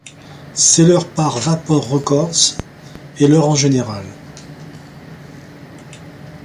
C'est leur par Vapor Records, et leur en général.